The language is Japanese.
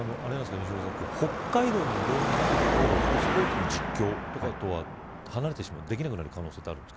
北海道に異動になるとスポーツの実況とかとは離れてしまう、できなくなる可能性はあるんですか。